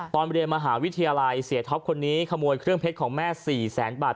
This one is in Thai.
ตอนเรียนมหาวิทยาลัยเสียท็อปคนนี้ขโมยเครื่องเพชรของแม่๔แสนบาท